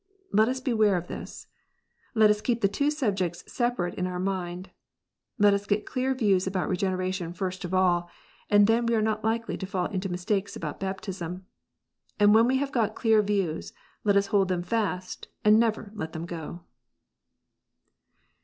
Let us beware of this. Let us keep the two subjects separate in our mind. Let us get clear views about Regeneration first of all, and then we are not likely to fall into mistakes about baptism. And when we have got clear views let us hold them fast, and never let them go.